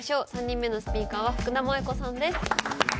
３人目のスピーカーは福田萌子さんです。